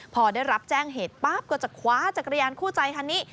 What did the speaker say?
พอได้รับแจ้งเหตุปั๊บก็จะคว้าจักรยานคู่ใจคันนี้